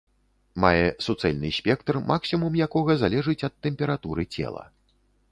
Мае суцэльны спектр, максімум якога залежыць ад тэмпературы цела.